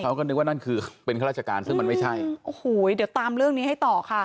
เขาก็นึกว่านั่นคือเป็นข้าราชการซึ่งมันไม่ใช่โอ้โหเดี๋ยวตามเรื่องนี้ให้ต่อค่ะ